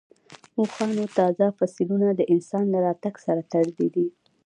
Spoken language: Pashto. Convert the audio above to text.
اوښانو تازه فسیلونه د انسان له راتګ سره تړلي دي.